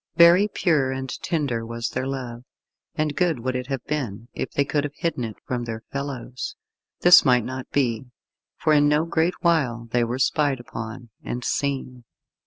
Very pure and tender was their love, and good would it have been if they could have hidden it from their fellows. This might not be, for in no great while they were spied upon, and seen.